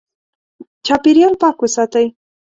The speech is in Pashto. چاپېریال پاک وساتئ.